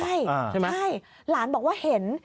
ใช่หลานบอกว่าเห็น